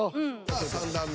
さあ３段目。